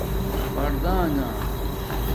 پردانݣہ